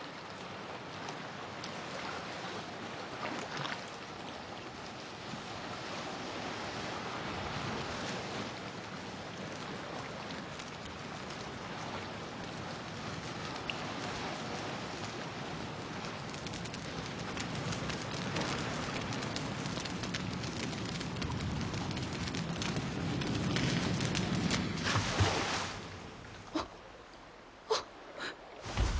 ・あっあっ！